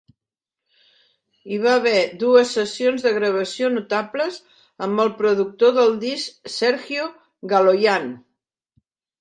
Hi va haver dues sessions de gravació notables amb el productor del disc, Sergio Galoyan.